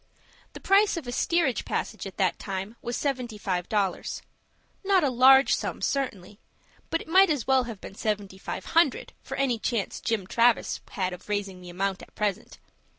The price of a steerage passage at that time was seventy five dollars,—not a large sum, certainly,—but it might as well have been seventy five hundred for any chance James Travis had of raising the amount at present.